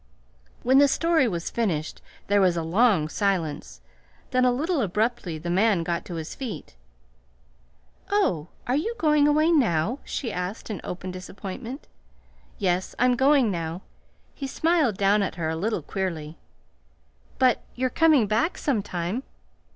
When the story was finished there was a long silence; then, a little abruptly the man got to his feet. "Oh, are you going away NOW?" she asked in open disappointment. "Yes, I'm going now." He smiled down at her a little queerly. "But you're coming back sometime?"